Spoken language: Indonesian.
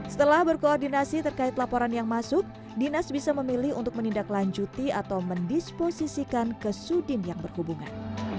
setelah berkoordinasi terkait laporan yang masuk dinas bisa memilih untuk menindaklanjuti atau mendisposisikan ke sudin yang berhubungan